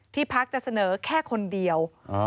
ที่ภักรณ์จะเสนอแค่คนเดียว